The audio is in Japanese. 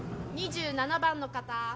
・２７番の方。